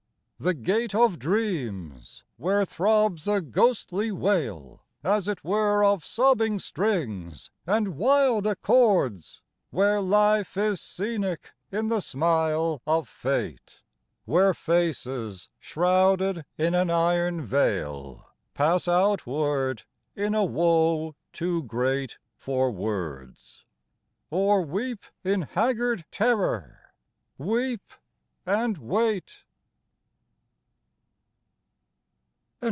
The Gate of Dreams, where throbs a ghostly wail, As it were of sobbing strings and wild accords, Where life is scenic in the smile of fate ; Where faces, shrouded in an iron veil, Pass outward in a woe too great for words, Or weep in haggard terror, weep and wait.